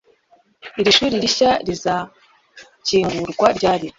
Iri shuri rishya rizakingurwa ryari